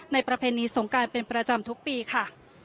ประเพณีสงการเป็นประจำทุกปีค่ะ